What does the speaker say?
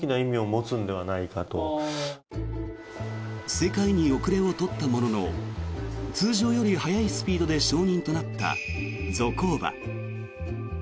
世界に後れを取ったものの通常より速いスピードで承認となったゾコーバ。